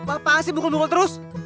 apaan sih bungul bungul terus